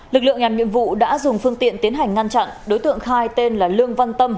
lực lượng làm nhiệm vụ đã dùng phương tiện tiến hành ngăn chặn đối tượng khai tên là lương văn tâm